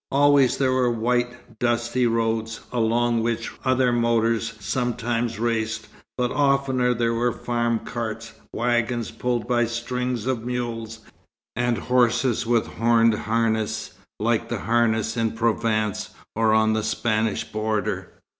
Always there were white, dusty roads, along which other motors sometimes raced, but oftener there were farm carts, wagons pulled by strings of mules, and horses with horned harness like the harness in Provence or on the Spanish border.